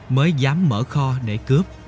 mới dám mở kho để cướp